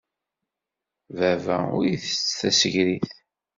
Baba ur ittett tasegrit.